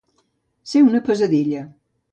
Ser una peladilla.